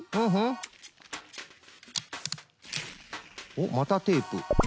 おっまたテープ。